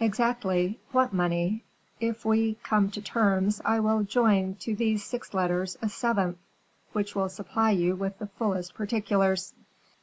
"Exactly, what money; if we come to terms I will join to these six letters a seventh, which will supply you with the fullest particulars."